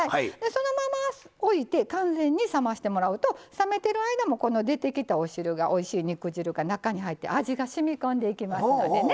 そのまま置いて完全に冷ましてもらうと冷めてる間もこの出てきたお汁がおいしい肉汁が中に入って味がしみこんでいきますのでね